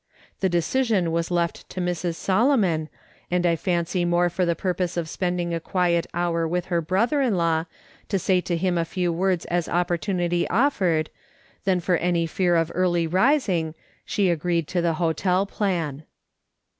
The decision was left to Mrs. Solomon, and I fancy more for the purpose of spending a quiet hour with her. brother in law, to say to him a few words as opportunity offered, than for any fear of early rising, she agreed to the hotel plan.